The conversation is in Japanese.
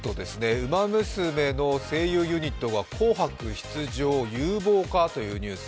「ウマ娘」の声優ユニットが「紅白」出場有望かというニュース。